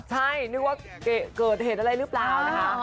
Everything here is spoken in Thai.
ใช่นึกว่าเกิดเหตุอะไรหรือเปล่านะคะ